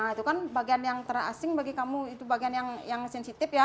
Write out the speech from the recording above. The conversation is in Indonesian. itu kan bagian yang terasing bagi kamu itu bagian yang sensitif ya